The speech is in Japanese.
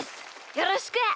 よろしく！